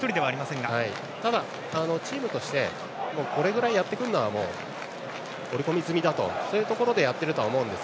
ただ、チームとしてこれぐらいやってくるのは織り込み済みだというところでやっていると思います。